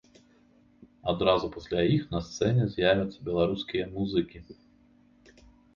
Адразу пасля іх на сцэне з'явяцца беларускія музыкі.